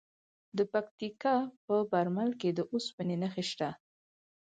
د پکتیکا په برمل کې د اوسپنې نښې شته.